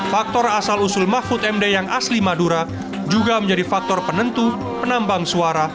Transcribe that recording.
faktor asal usul mahfud md yang asli madura juga menjadi faktor penentu penambang suara